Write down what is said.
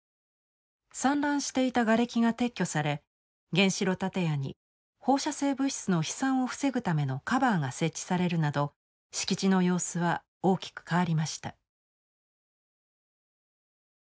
散乱していたがれきが撤去され原子炉建屋に放射性物質の飛散を防ぐためのカバーが設置されるなど敷地の様子は大きく変わりました。